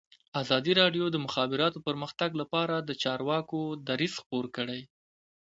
ازادي راډیو د د مخابراتو پرمختګ لپاره د چارواکو دریځ خپور کړی.